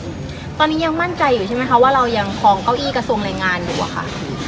ตอนนี้ยังมั่นใจอยู่ใช่ไหมคะว่าเรายังคลองเก้าอี้กระทรวงแรงงานอยู่อะค่ะ